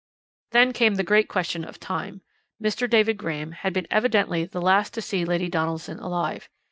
"Then came the great question of time. Mr. David Graham had been evidently the last to see Lady Donaldson alive.